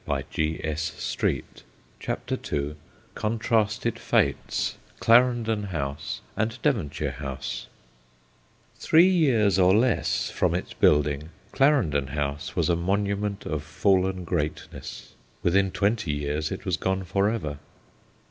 CONTKASTED FATES 17 CHAPTEE II CONTRASTED FATES : CLARENDON HOUSE AND DEVONSHIRE HOUSE THREE years or less from its building Clarendon House was a monument of fallen greatness. Within twenty years it was gone for ever.